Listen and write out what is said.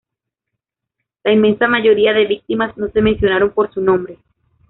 La inmensa mayoría de víctimas no se mencionaron por su nombre.